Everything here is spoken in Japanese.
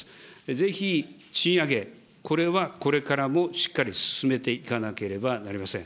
ぜひ賃上げ、これはこれからもしっかり進めていかなければなりません。